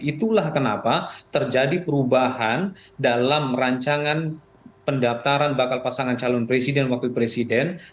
itulah kenapa terjadi perubahan dalam rancangan pendaftaran bakal pasangan calon presiden dan wakil presiden